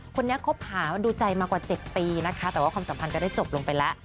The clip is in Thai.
คบหาดูใจมากว่า๗ปีนะคะแต่ว่าความสัมพันธ์ก็ได้จบลงไปแล้ว